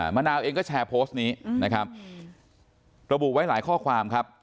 มะนาวเองก็แชร์โพสต์นี้นะครับระบุไว้หลายข้อความครับ